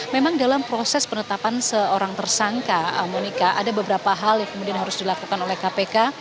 memang dalam proses penetapan seorang tersangka monika ada beberapa hal yang kemudian harus dilakukan oleh kpk